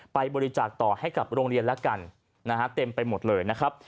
ไปบริจาคต่อให้กับโรงเรียนแล้วกันนะฮะเต็มไปหมดเลยนะครับ